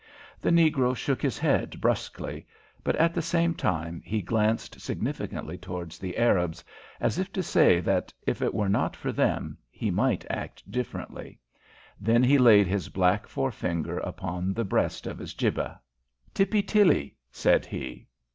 The negro shook his head brusquely, but at the same time he glanced significantly towards the Arabs, as if to say that, if it were not for them, he might act differently. Then he laid his black forefinger upon the breast of his jibbeh. "Tippy Tilly," said he.